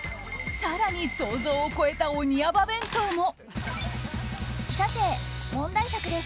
更に、想像を超えた鬼ヤバ弁当も。